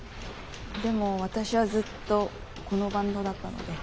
でも私はずっとこのバンドだったので。